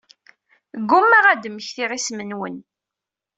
Ggummaɣ ad mmektiɣ isem-nwen.